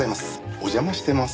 お邪魔してます。